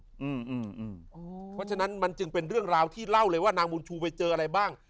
เพราะฉะนั้นมันจึงเป็นเรื่องราวที่เล่าเลยว่านางบุญชูไปเจออะไรบ้าง